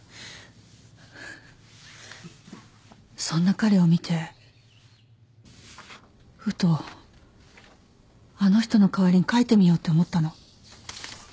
そんな彼を見てふとあの人の代わりに書いてみようって思ったの。